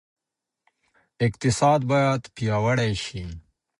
اقتصاد باید پیاوړی سي.